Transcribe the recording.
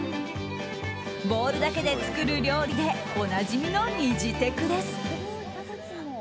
ボウルだけで作る料理でおなじみの、にじテクです。